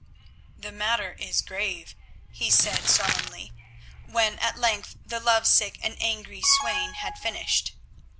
"The matter is grave," he said solemnly, when at length the lovesick and angry swain had finished.